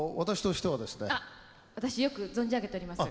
あっ私よく存じ上げております。